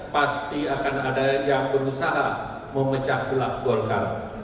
pasti akan ada yang berusaha memecah belah golkar